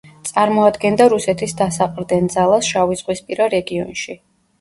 წარმოადგენდა რუსეთის დასაყრდენ ძალას შავიზღვისპირა რეგიონში.